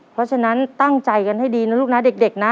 เพราะฉะนั้นตั้งใจกันให้ดีนะลูกนะเด็กนะ